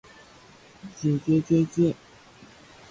ｗ じぇじぇじぇじぇ ｗ